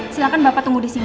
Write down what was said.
silahkan bapak tunggu di sini